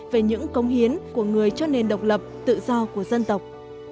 về những công hiến của người cho nền độc lập tự do của dân tộc